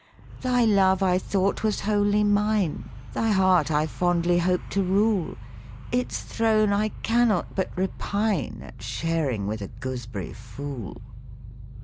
"Thy love I thought was wholly mine, Thy heart I fondly hoped to rule; Its throne I cannot but repine At sharing with a goosb'ry fool